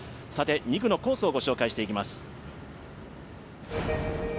２区のコースをご紹介していきます。